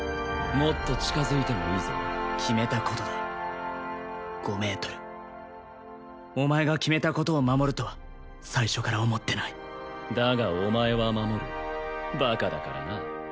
もっと近づいてもいいぞ決めたことだ５ｍお前が決めたことを守るとは最初から思ってないだがお前は守るバカだからな